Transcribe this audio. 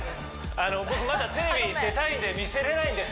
あの僕まだテレビに出たいんで見せれないんです